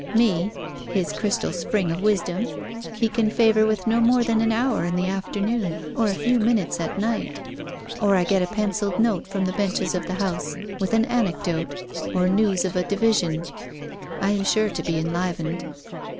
Me his "crystal spring of wisdom" he can favour with no more than an hour in the afternoon, or a few minutes at night. Or I get a pencilled note from the benches of the House, with an anecdote, or news of a Division. I am sure to be enlivened.